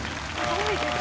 すごいね。